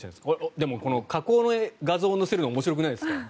でも、加工の映像を載せるの面白くないですか。